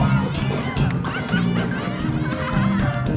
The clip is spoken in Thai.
โอเคพี่คิงคิงกัดอยู่ที่นี่